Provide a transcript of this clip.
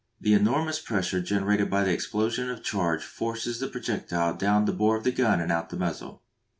The enormous pressure generated by the explosion of the charge forces the projectile down the bore of the gun and out of the muzzle.